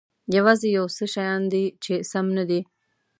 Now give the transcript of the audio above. یوازې یو څه شیان دي چې سم نه دي.